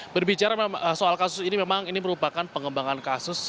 berbicara soal kasus ini memang ini merupakan pengembangan kasus